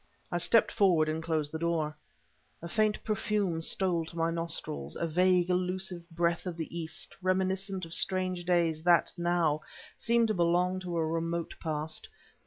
I stepped forward and closed the door. A faint perfume stole to my nostrils a vague, elusive breath of the East, reminiscent of strange days that, now, seemed to belong to a remote past.